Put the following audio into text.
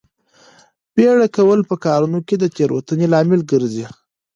بیړه کول په کارونو کې د تېروتنې لامل ګرځي.